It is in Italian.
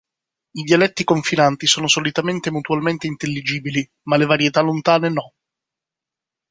I dialetti confinanti sono solitamente mutualmente intelligibili, ma le varietà lontane no.